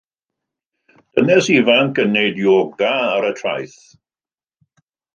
Dynes ifanc yn gwneud ioga ar y traeth.